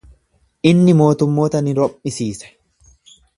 Inni mootummoota ni rom'isiise.